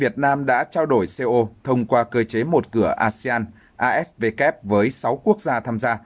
thông qua cơ chế một cửa asean asvk với sáu quốc gia tham gia